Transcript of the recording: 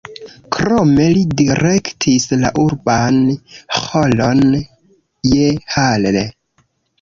Krome li direktis la Urban Ĥoron je Halle.